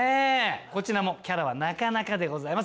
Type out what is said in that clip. こちらもキャラはなかなかでございます。